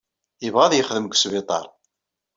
Yebɣa ad yexdem deg wesbiṭar.